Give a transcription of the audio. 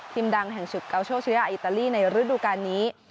ทีมดังแห่งฉุกเกาโชคศิริยาอิตาลีในฤดูกาลนี้